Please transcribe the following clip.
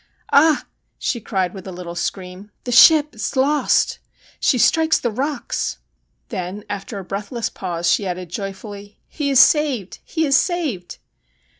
Ah !' she cried with a little scream, ' the ship is lost. She strikes the rocks.' Then, after a breathless pause, she added joyfully :' He is saved ! he is saved